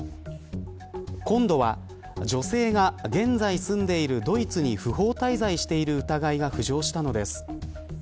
今度は、女性が現在住んでいるドイツに不法滞在している疑いが浮上したのです。